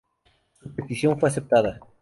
Su petición fue aceptada.